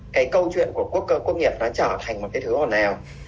cái câu chuyện của quốc cơ quốc nghiệp nó trở thành một cái thứ hòn ào